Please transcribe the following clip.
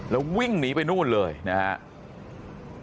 แล้ววิ่งหนีไปนู่นเลยนะครับ